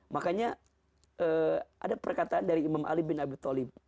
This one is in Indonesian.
makanya ada perkataan dari imam ali bin abi talib